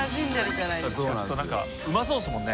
ちょっと何かうまそうですもんね。